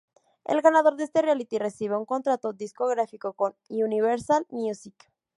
El ganador de este "reality" recibe un contrato discográfico con Universal Music.